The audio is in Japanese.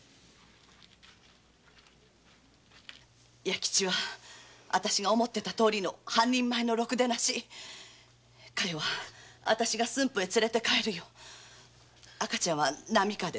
弥吉は私が思ってたとおりの半人前のろくでなし加代は私が連れて帰る赤ちゃんは波川で産ませる。